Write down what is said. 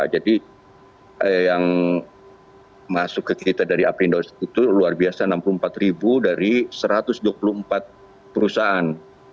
jadi yang masuk ke kita dari apindo itu luar biasa enam puluh empat dari satu ratus dua puluh empat perusahaan